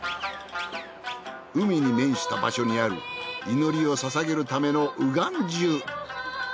海に面した場所にある祈りをささげるためのうがんじゅ。